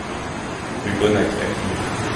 Rue Bonnac à Clion